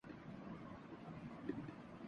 پہلے نہا لو ـ